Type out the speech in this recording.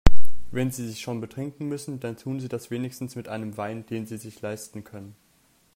Wenn Sie sich schon betrinken müssen, dann tun Sie das wenigstens mit einem Wein, den Sie sich leisten können.